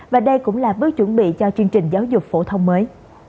và đây cũng là bước chuẩn bị cho chương trình giáo dục phổ thông mới